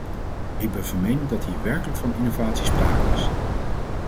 Ik ben van mening dat hier werkelijk van innovatie sprake is.